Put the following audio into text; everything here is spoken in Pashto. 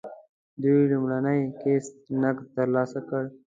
دوی لومړنی قسط نغد ترلاسه کړ.